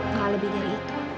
nggak lebih dari itu